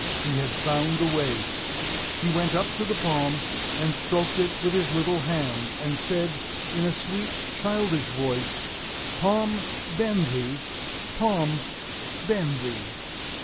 He had found the way. He went up to the palm and stroked it with his little hand, and said, in a sweet, childish voice: "Palm, bend thee! Palm, bend thee!"